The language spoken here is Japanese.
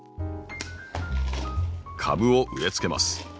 株を植えつけます。